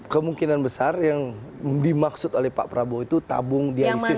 kemungkinan besar yang dimaksud oleh pak prabowo itu tabung dialisis